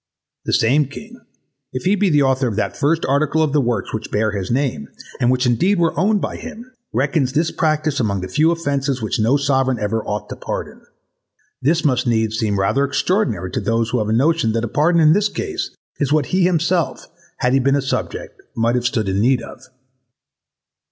The same king, if he be the author of that first article of the works which bear his name, and which indeed were owned by him, reckons this practise among the few offences which no Sovereign ever ought to pardon. This must needs seem rather extraordinary to those who have a notion that a pardon in this case is what he himself, had he been a subject, might have stood in need of.